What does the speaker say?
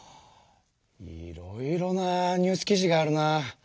いろいろなニュース記事があるな。